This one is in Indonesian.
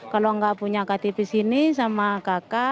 kalau nggak punya ktp sini sama kakak